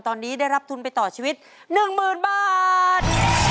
ตอนนี้ได้รับทุนไปต่อชีวิต๑๐๐๐บาท